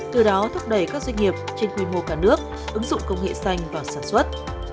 từ đó thúc đẩy các doanh nghiệp trên quy mô cả nước ứng dụng công nghệ xanh vào sản xuất